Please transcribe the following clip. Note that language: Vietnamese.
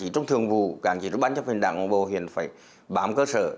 trường vụ các chỉ trục ban chấp huyện đảng bộ huyện phải bám cơ sở